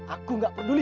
aku nggak peduli